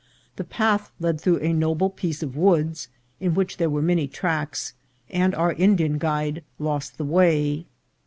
The path led through a noble piece of woods, in which there were many tracks, and our Indian guide lost his way.